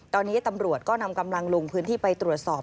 ตอนนี้ตำรวจก็นำกำลังลงพื้นที่ไปตรวจสอบ